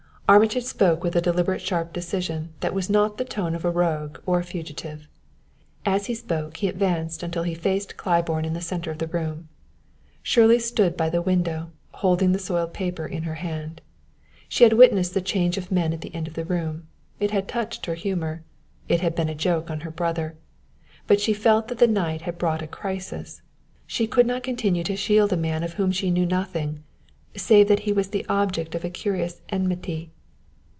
Armitage spoke with a deliberate sharp decision that was not the tone of a rogue or a fugitive. As he spoke he advanced until he faced Claiborne in the center of the room. Shirley still stood by the window, holding the soiled paper in her hand. She had witnessed the change of men at the end of the room; it had touched her humor; it had been a joke on her brother; but she felt that the night had brought a crisis: she could not continue to shield a man of whom she knew nothing save that he was the object of a curious enmity.